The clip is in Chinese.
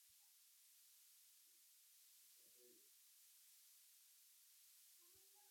这个版本讲述了主人公在几年中成为了一个传奇的故事。